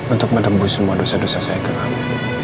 untuk menebus semua dosa dosa saya ke kamu